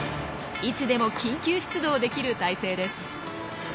いつでも緊急出動できる態勢です。